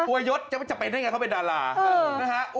อวยยดยังไม่จำเป็นให้เขาเป็นดารานะฮะ